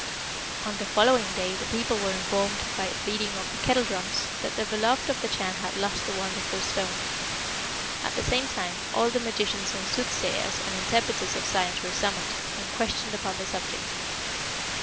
"On the following day the people were informed, by the beating of the kettledrums, that the beloved of the Chan had lost the wonderful stone. At the same time, all the magicians and soothsayers and interpreters of signs were summoned, and questioned upon the subject.